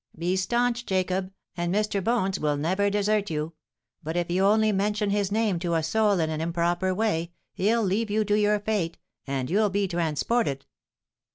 Be staunch, Jacob; and Mr. Bones will never desert you. But if you only mention his name to a soul in an improper way, he'll leave you to your fate, and you'll be transported.'